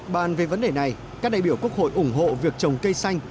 bàn về vấn đề này các đại biểu quốc hội ủng hộ việc trồng cây xanh